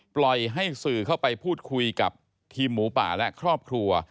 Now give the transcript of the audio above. ปล่อยให้สื่อเข้าไปพูดคุยกับทีมหมูป่าและครอบครัว